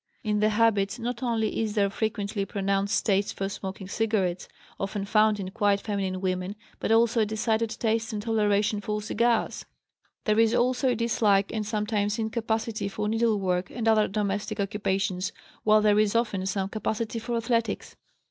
In the habits not only is there frequently a pronounced taste for smoking cigarettes, often found in quite feminine women, but also a decided taste and toleration for cigars. There is also a dislike and sometimes incapacity for needlework and other domestic occupations, while there is often some capacity for athletics.